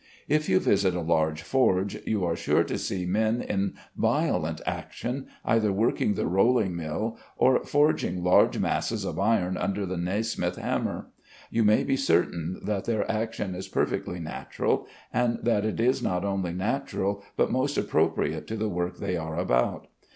If you visit a large forge, you are sure to see men in violent action, either working the rolling mill, or forging large masses of iron under the Nasmyth hammer. You may be certain that their action is perfectly natural, and that it is not only natural but most appropriate to the work they are about.